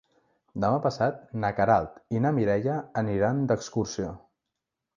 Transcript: Demà passat na Queralt i na Mireia aniran d'excursió.